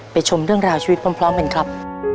ชมเรื่องราวชีวิตพร้อมกันครับ